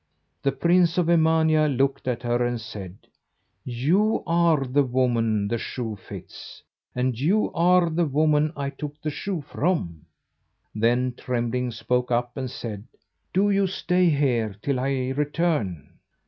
The prince of Emania looked at her and said: "You are the woman the shoe fits, and you are the woman I took the shoe from." Then Trembling spoke up, and said: "Do you stay here till I return."